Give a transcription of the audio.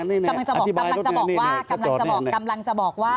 นี่นี่นี่อธิบายรถไหนนี่นี่กำลังจะบอกว่ากำลังจะบอกว่า